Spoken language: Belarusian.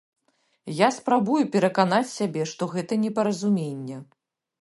Я спрабую пераканаць сябе, што гэта непаразуменне.